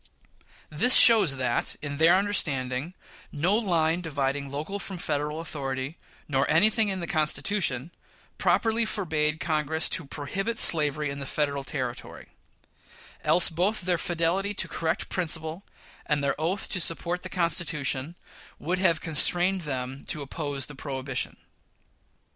This shows that, in their understanding, no line dividing local from Federal authority, nor anything in the Constitution, properly forbade Congress to prohibit slavery in the Federal territory; else both their fidelity to correct principles and their oath to support the Constitution would have constrained them to oppose the prohibition.